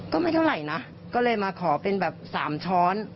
ก็ไม่เท่าไหร่นะก็เลยมาขอเป็นแบบ๓ช้อน